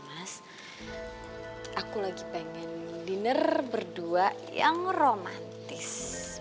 mas aku lagi pengen dinner berdua yang romantis